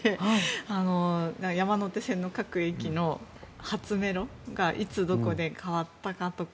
山手線の各駅の発メロがいつどこで変わったかとか